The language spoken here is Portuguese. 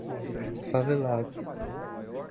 Favelada